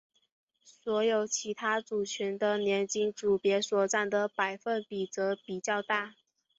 所有其他族群的年轻组别所占的百分比则比较大。